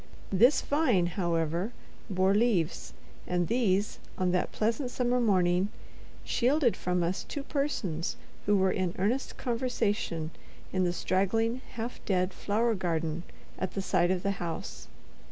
This vine, however, bore leaves, and these, on that pleasant summer morning, shielded from us two persons who were in earnest conversation in the straggling, half dead flower garden at the side of the house.